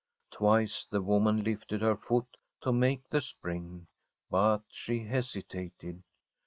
Twice the woman lifted her foot to make the spring, but she hesitated.